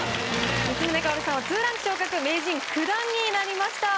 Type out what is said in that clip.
光宗薫さんは２ランク昇格名人９段になりました。